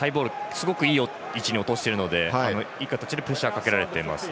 すごくいい位置に落としているので、いい形でプレッシャーをかけられています。